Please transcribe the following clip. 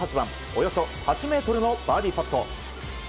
およそ８ｍのバーディーパット。